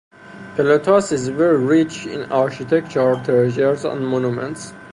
Pelotas is very rich in architectural treasures and monuments.